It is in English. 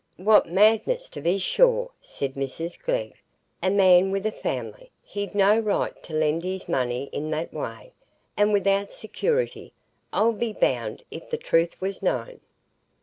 "What madness, to be sure!" said Mrs Glegg. "A man with a family! He'd no right to lend his money i' that way; and without security, I'll be bound, if the truth was known."